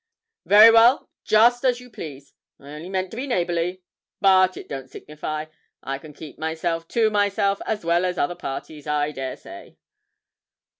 'Very well, just as you please. I only meant to be neighbourly but it don't signify. I can keep myself to myself as well as other parties, I daresay.'